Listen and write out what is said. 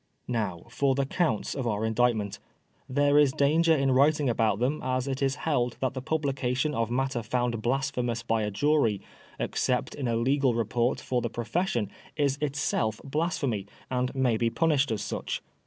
Now for the counts of our Indictment. There is danger in writing about them, as it is held that the publication of matter found blasphemous by a jury, except in a legal report for the profession, is itself blasphemy, and may be punished as such.